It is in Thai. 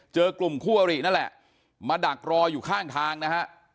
เจอกลุ่มคู่อรินั่นแหละมาดักรออยู่ข้างทางนะฮะ